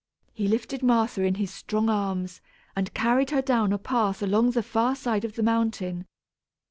He lifted Martha in his strong arms and carried her down a path along the far side of the mountain.